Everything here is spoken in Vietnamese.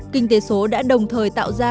kinh tế số đã đồng thời tạo ra